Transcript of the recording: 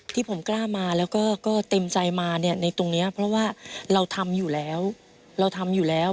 ที่ผมกล้ามาแล้วก็เต็มใจมาในตรงนี้เพราะว่าเราทำอยู่แล้ว